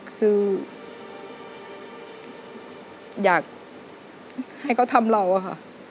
คืออยากให้เขาทำเราอะค่ะ